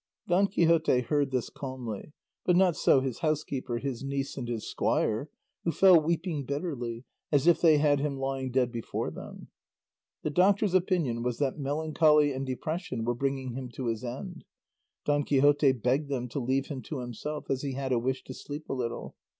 Don Quixote heard this calmly; but not so his housekeeper, his niece, and his squire, who fell weeping bitterly, as if they had him lying dead before them. The doctor's opinion was that melancholy and depression were bringing him to his end. Don Quixote begged them to leave him to himself, as he had a wish to sleep a little.